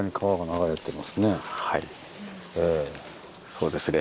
そうですね。